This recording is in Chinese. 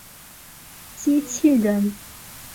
机器人。